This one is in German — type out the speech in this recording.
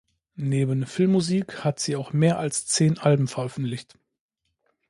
Neben Filmmusik hat sie auch mehr als zehn Alben veröffentlicht.